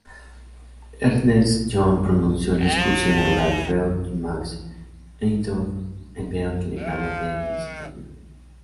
Ernest Jones pronunció el discurso inaugural, Freud y Max Eitingon enviaron telegramas de felicitación.